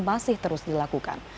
masih terus dilakukan